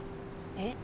えっ？